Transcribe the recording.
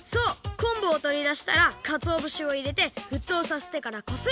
こんぶをとりだしたらかつおぶしをいれてふっとうさせてからこす！